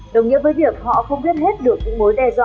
đồng nghĩa với việc họ không biết hết về nền tảng của việt nam